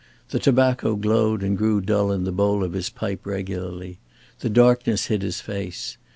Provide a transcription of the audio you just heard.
The tobacco glowed and grew dull in the bowl of his pipe regularly; the darkness hid his face.